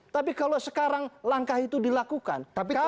tapi kalau sekarang langkah itu dilakukan